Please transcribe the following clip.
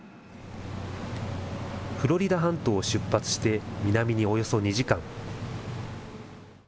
フロリダ半島を出発して南におよそ２時間。